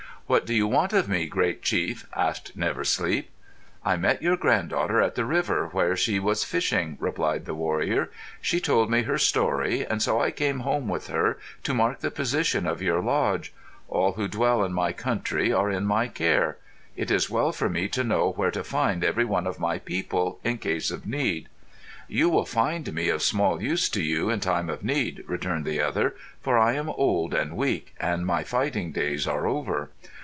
"What do you want of me, great chief?" asked Never Sleep. "I met your granddaughter at the river, where she was fishing," replied the warrior. "She told me her story, and so I came home with her to mark the position of your lodge. All who dwell in my country are in my care. It is well for me to know where to find every one of my people, in case of need." "You will find me of small use to you in time of need," returned the other, "for I am old and weak, and my fighting days are over.